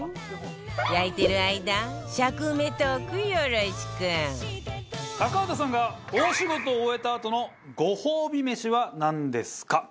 焼いてる間高畑さんが大仕事を終えたあとのご褒美メシはなんですか？